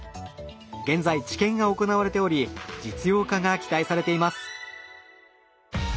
現在治験が行われており実用化が期待されています。